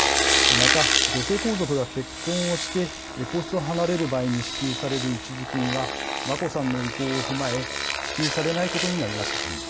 また、女性皇族が結婚をして皇室を離れる場合に支給される一時金は、眞子さんの意向を踏まえ、支給されないことになりました。